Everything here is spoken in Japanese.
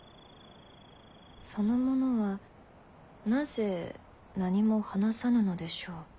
その者はなぜ何も話さぬのでしょう？